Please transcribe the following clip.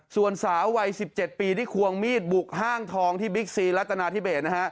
ส่วนสาววัย๑๗ปีที่ควงมีดบุกห้างทองที่บิ๊กซีรัฐนาธิเบสนะฮะ